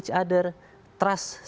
trust saling percaya di satu